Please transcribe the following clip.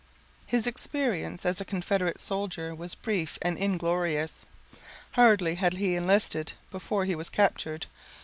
His experience as a Confederate soldier was brief and inglorious. Hardly had he enlisted before he was captured.